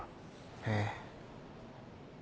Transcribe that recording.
ええ。